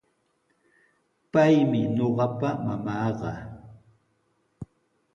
Paymi ñuqapa mamaaqa.